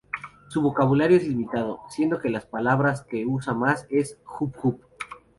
Su vocabulario es limitado, siendo que las palabras que usa más es "Jup Jup".